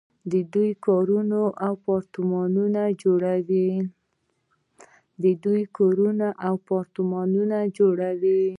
دوی کورونه او اپارتمانونه جوړوي.